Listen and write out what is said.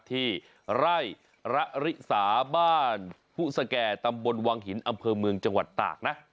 ที่ไร่ระริสาบ้านผู้สแก่ตำบลวังหินอำเภอเมืองจังหวัดตากนะ